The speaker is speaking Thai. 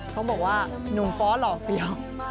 เขาบอกว่าหนุ่มฟ้อหล่อเฟี้ยว